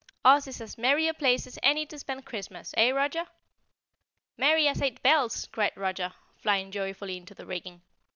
"Oz is as merry a place as any to spend Christmas, eh, Roger?" "Merry as eight bells!" cried Roger, flying joyfully into the rigging.